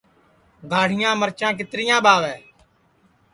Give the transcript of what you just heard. گاڑِھیاں مِرچاں کِترِیاں ٻاہوے